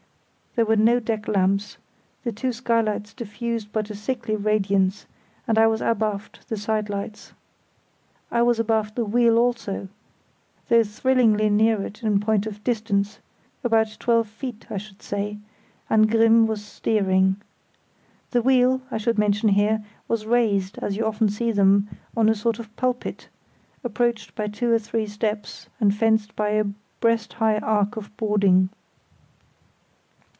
There were no deck lamps; the two skylights diffused but a sickly radiance, and I was abaft the side lights. I was abaft the wheel also, though thrillingly near it in point of distance—about twelve feet, I should say; and Grimm was steering. The wheel, I should mention here, was raised, as you often see them, on a sort of pulpit, approached by two or three steps and fenced by a breast high arc of boarding.